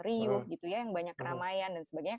riuh yang banyak keramaian dan sebagainya